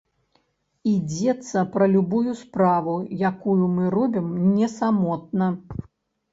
Ідзецца пра любую справу, якую мы робім не самотна.